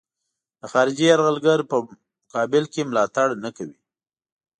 د خارجي یرغلګر په مقابل کې ملاتړ نه کوي.